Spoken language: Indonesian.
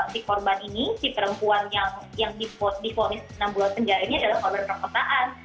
si korban ini si perempuan yang difonis enam bulan penjara ini adalah korban perkotaan